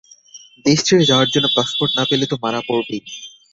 দেশ ছেড়ে যাওয়ার জন্য পাসপোর্ট না পেলে তো মারা পড়বেই।